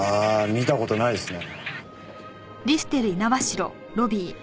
見た事ないですね。